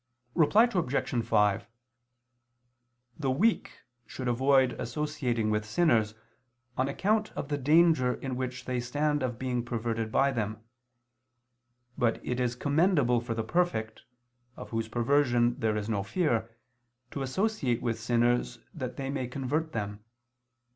Reply Obj. 5: The weak should avoid associating with sinners, on account of the danger in which they stand of being perverted by them. But it is commendable for the perfect, of whose perversion there is no fear, to associate with sinners that they may convert them.